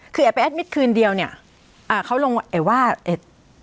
คือเอกไปแอดมิตเกินเดียวเนี้ยอ่าเขาลงเอ่ยว่าเอ่ย